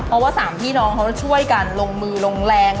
เพราะว่าสามพี่น้องเขาช่วยกันลงมือลงแรง